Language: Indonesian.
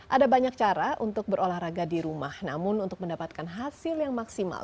ada banyak cara untuk berolahraga di rumah namun untuk mendapatkan hasil yang maksimal